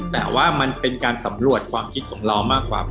แต่ว่ามันเป็นการสำรวจความคิดของเรามากกว่า